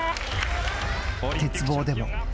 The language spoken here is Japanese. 鉄棒でも。